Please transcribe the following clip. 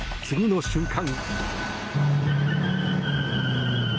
次の瞬間。